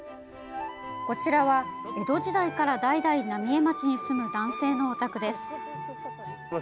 こちらは、江戸時代から代々浪江町に住む男性のお宅です。